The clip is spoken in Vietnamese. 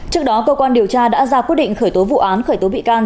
trước đó cơ quan điều tra đã ra quyết định khởi tố vụ án khởi tố bị can